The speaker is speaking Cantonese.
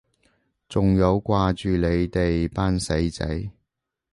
仲有掛住你哋班死仔